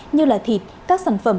như là thịt các sản phẩm